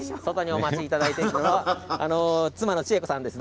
お待ちいただいてるのは妻の知恵子さんです。